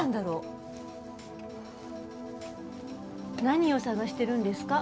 何を探してるんですか？